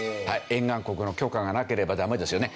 沿岸国の許可がなければダメですよね。